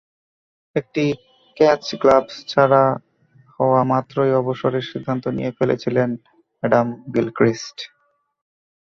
একটি catch gloves ছাড়া হওয়া মাত্রই অবসরের সিদ্ধান্ত নিয়ে ফেলেছিলেন অ্যাডাম গিলক্রিস্ট।